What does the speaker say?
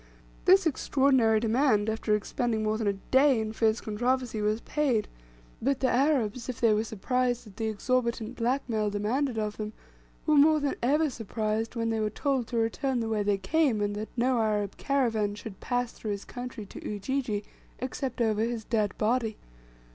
This extraordinary demand, after expending more than a day in fierce controversy, was paid; but the Arabs, if they were surprised at the exorbitant black mail demanded of them, were more than ever surprised when they were told to return the way they came; and that no Arab caravan should pass through his country to Ujiji except over his dead body.